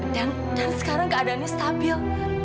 dan dan sekarang keadaannya stabil